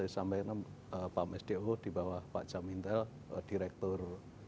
sampai pak msdo dibawah pak jamintar